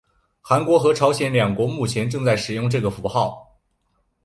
韩国和朝鲜两国目前正在使用这个符号。